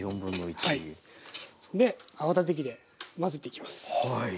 泡立て器で混ぜていきます。